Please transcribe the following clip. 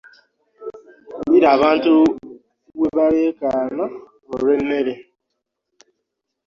Wulira abantu webaleekaana olwe mmere.